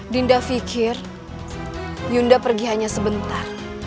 dinda pikir yunda pergi hanya sebentar